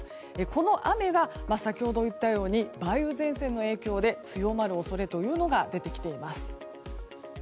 この雨が、先ほど言ったように梅雨前線の影響で強まる恐れが出てきています。